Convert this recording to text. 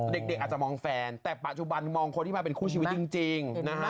เด็กอาจจะมองแฟนแต่ปัจจุบันมองคนที่มาเป็นคู่ชีวิตจริงนะฮะ